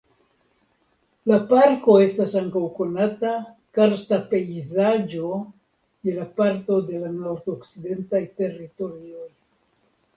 La parko estas ankaŭ konata karsta pejzaĝo je la parto en la Nordokcidentaj Teritorioj.